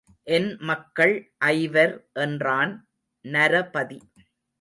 என் மக்கள் ஐவர் என்றான் நரபதி.